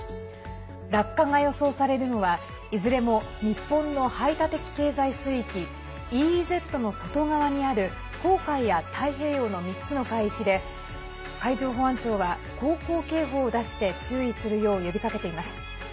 落下が予想されるのはいずれも日本の排他的経済水域＝ＥＥＺの外側にある黄海や太平洋の３つの海域で海上保安庁は航行警報を出して注意するよう呼びかけています。